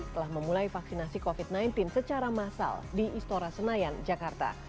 telah memulai vaksinasi covid sembilan belas secara massal di istora senayan jakarta